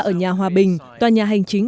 ở nhà hòa bình toàn nhà hành chính